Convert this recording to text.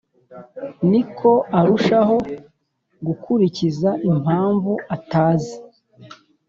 ni ko arushaho gukuririza impamvu atazi,